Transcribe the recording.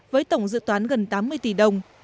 với tổng dự toán gần tám mươi tỷ đồng